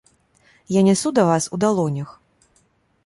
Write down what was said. Я нясу да вас у далонях.